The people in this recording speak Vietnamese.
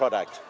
ở trung tâm